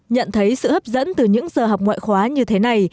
nhận thấy sự hấp dẫn từ những giờ học ngoại khóa như thế này